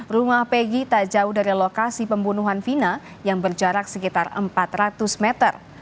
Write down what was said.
rumah pegi tak jauh dari lokasi pembunuhan vina yang berjarak sekitar empat ratus meter